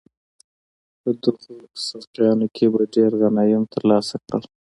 په دغو سوقیانو کې ډېر غنایم ترلاسه کړل.